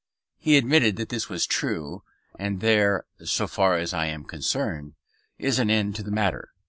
He admitted that this was true, and there (so far as I am concerned) is an end of the matter.